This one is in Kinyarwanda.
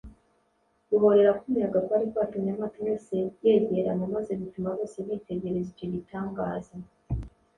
guhorera k’umuyaga kwari kwatumye amato yose yegerana, maze bituma bose bitegereza icyo gitangaza